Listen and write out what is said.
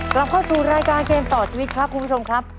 กลับเข้าสู่รายการเกมต่อชีวิตครับคุณผู้ชมครับ